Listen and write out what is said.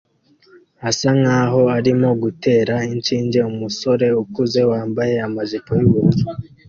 asa nkaho arimo gutera inshinge umusore ukuze wambaye amajipo yubururu